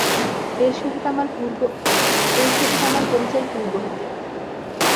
এঁর সহিত আমার পরিচয় পূর্ব হতে।